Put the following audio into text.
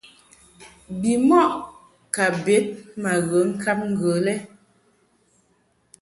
Bimɔʼ ka bed ma ghe ŋkab ŋgə lɛ.